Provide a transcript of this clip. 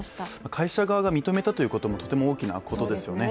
会社側が認めたということもとても大きなことですよね。